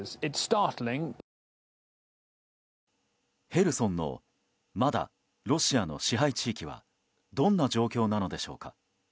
ヘルソンのまだロシアの支配地域はどんな状況なのでしょうか。